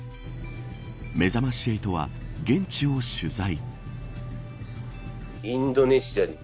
めざまし８は、現地を取材。